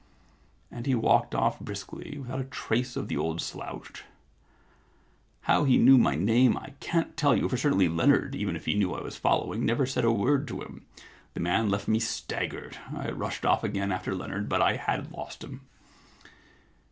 * And he walked off briskly without a 113 The Problem Club trace of the old slouch. How he knew my name I can't tell you, for certainly Leonard, even if he knew I was following, never said a word to him. The man left me staggered. I rushed off again after Leonard, but I had lost him.